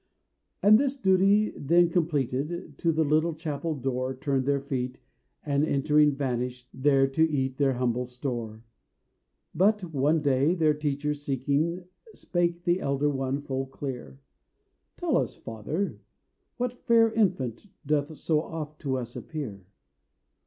And this duty then completed, To the little chapel door Turned their feet, and, entering, vanished There to eat their humble store. But one day their teacher seeking, Spake the elder one full clear, "Tell us, Father, what fair infant Doth so oft to us appear?"